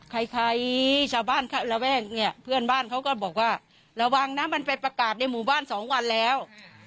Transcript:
ใครใครชาวบ้านระแวกเนี่ยเพื่อนบ้านเขาก็บอกว่าระวังนะมันไปประกาศในหมู่บ้านสองวันแล้ว